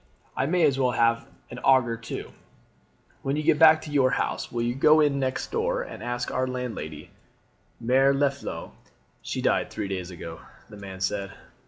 I may as well have an auger too. When you go back to your house will you go in next door and ask our landlady, Mere Leflo " "She died three days ago," the man said.